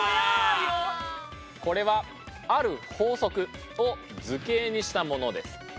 これはある法則を図形にしたものです。